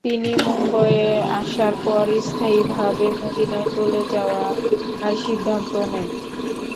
তিনি মুম্বইয়ে আসার পর স্থায়ীভাবে মদিনায় চলে যাওয়ার সিদ্ধান্ত নেন।